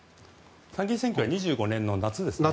参議院選挙は２０２５年の夏ですね。